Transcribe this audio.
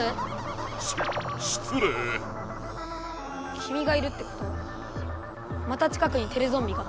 きみがいるってことはまた近くにテレゾンビが？